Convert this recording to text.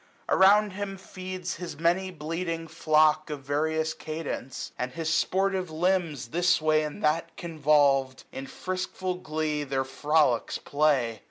Around him feeds his many bleating flock. Of various cadence ; and his sportive lambs. This way and that convolvM, in friskful glee. Their frolicks play.